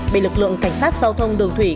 bởi lực lượng cảnh sát giao thông đường thủy